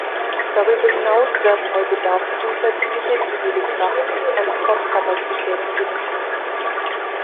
Darüber hinaus werden bei Bedarf zusätzlich zivile Fracht- und Transportkapazitäten genutzt.